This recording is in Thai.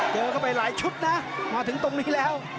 เข้าไปหลายชุดนะมาถึงตรงนี้แล้ว